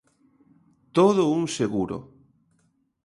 Todo un seguro.